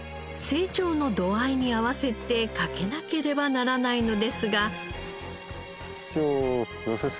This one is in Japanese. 成長の度合いに合わせてかけなければならないのですが。